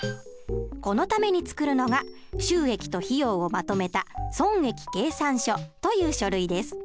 このために作るのが収益と費用をまとめた損益計算書という書類です。